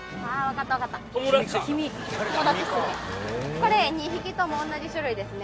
これ２匹とも同じ種類ですね